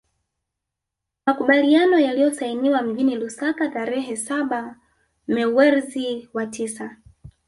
Makubaliano yaliyosainiwa mjini Lusaka tarehe saba mewrezi wa tisa